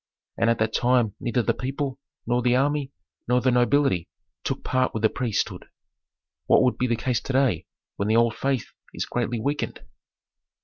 And at that time neither the people, nor the army, nor the nobility took part with the priesthood. What would the case be to day when the old faith is greatly weakened?"